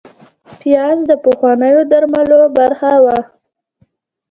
پیاز د پخوانیو درملو برخه وه